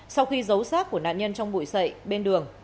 sau khi giấu sát của nạn nhân trong bụi sậy bên đường